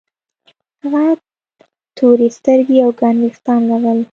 هغه تروې سترګې او ګڼ وېښتان لرل